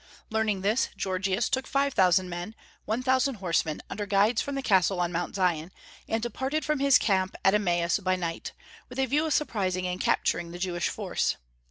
Learning this, Gorgias took five thousand men, one thousand horsemen, under guides from the castle on Mount Zion, and departed from his camp at Emmaus by night, with a view of surprising and capturing the Jewish force.